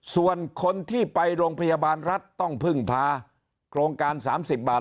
ส่วนคนที่ไปโรงพยาบาลรัฐต้องพึ่งพาโครงการ๓๐บาท